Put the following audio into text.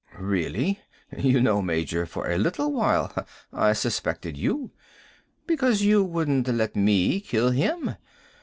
"Really? You know, Major, for a little while I suspected you. Because you wouldn't let me kill him.